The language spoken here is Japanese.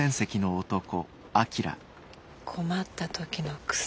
困った時のクセ。